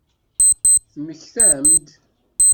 Temmektam-d?